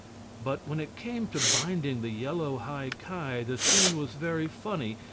But when it came to binding the yellow High Ki the scene was very funny.